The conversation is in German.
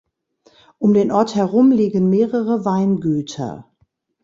Um den Ort herum liegen mehrere Weingüter.